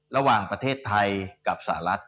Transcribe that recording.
ระหว่างประเทศไทยกับสหรัฐ